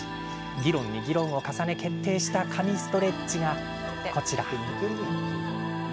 議論に議論を重ね決定した神ストレッチがこちら。